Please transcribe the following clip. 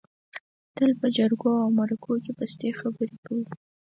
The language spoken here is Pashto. تل په جرګو او مرکو کې پستې خبرې کوي.